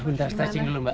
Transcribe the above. bentar stretching dulu mbak